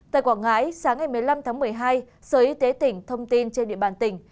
tại quảng ngãi sáng ngày một mươi năm tháng một mươi hai sở y tế tỉnh thông tin trên địa bàn tỉnh